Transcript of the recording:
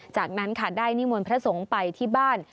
จากนั้นค่ะได้นิมนต์พระสงฆ์ไปที่บ้าน